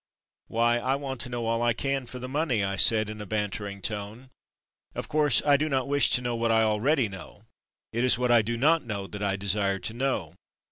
"Why, I want to know all I can for the money," I said in a bantering tone. "Of course I do not wish to know what I already know. It is what I do not know that I desire to know.